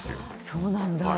そうなんだ。